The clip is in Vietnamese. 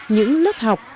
những lớp học